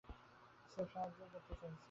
স্রেফ সাহায্যই করতে চাইছি।